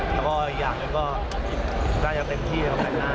แล้วก็อีกอย่างก็น่าจะเต็มที่ของแบบหน้า